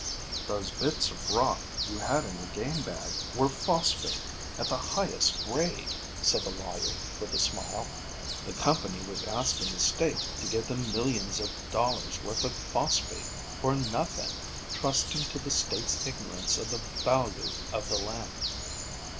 "Those bits of rock you had in your game bag were phosphate at the highest grade," said the lawyer, with a smile. "The company was asking the state to give them millions of dollars' worth of phosphate for nothing, trusting to the state's ignorance of the value of the land."